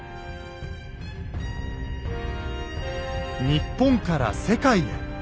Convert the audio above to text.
日本から世界へ。